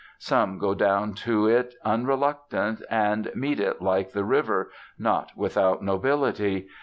Some go down to it unreluctant, and meet it, like the river, not without nobility.